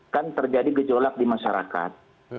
kan terjadi gejolak di masyarakat